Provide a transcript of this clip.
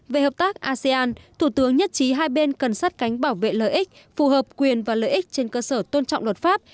về hợp tác asean thủ tướng nhất trí hai bên cần sát cánh bảo vệ lợi ích phù hợp quyền và lợi ích trên cơ sở tôn trọng luật pháp